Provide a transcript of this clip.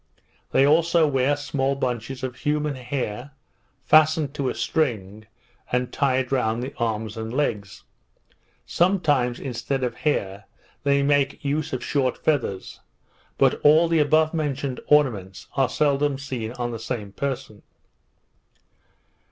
They also wear small bunches of human hair, fastened to a string, and tied round the legs and arms. Sometimes, instead of hair, they make use of short feathers; but all the above mentioned ornaments are seldom seen on the same person.